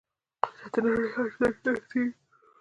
قدرت د نړۍ هر کونج ته رسیږي.